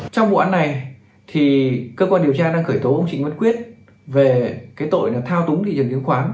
trong vụ án này thì cơ quan điều tra đang khởi tố ông trịnh văn quyết về cái tội là thao túng thị trường chứng khoán